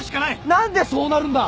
何でそうなるんだ！